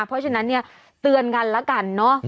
เพราะฉะนั้นเนี่ยเตือนกันแล้วกันเนอะ